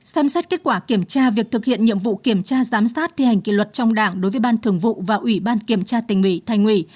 xem xét kết quả kiểm tra việc thực hiện nhiệm vụ kiểm tra giám sát thi hành kỷ luật trong đảng đối với ban thường vụ và ủy ban kiểm tra tình ủy thành ủy